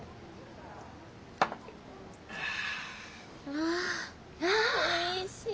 ああおいしい！